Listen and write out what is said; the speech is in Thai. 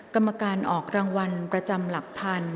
กรรมการออกรางวัลประจำหลักพัน